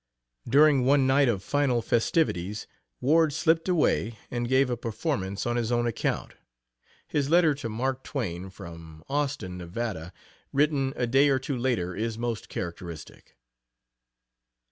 During one night of final festivities, Ward slipped away and gave a performance on his own account. His letter to Mark Twain, from Austin, Nevada, written a day or two later, is most characteristic.